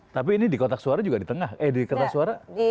tapi ini di kotak suara juga di tengah eh di kertas suara